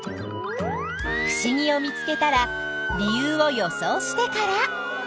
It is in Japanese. ふしぎを見つけたら理由を予想してから。